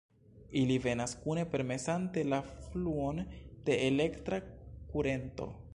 Ili venas kune permesante la fluon de elektra kurento.